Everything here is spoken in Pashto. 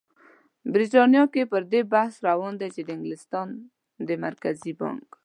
بریتانیا کې پر دې بحث روان دی چې د انګلستان د مرکزي بانک